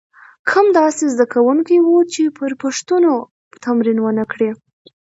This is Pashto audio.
کم داسې زده کوونکي وو چې پر پوښتنو تمرین ونه کړي.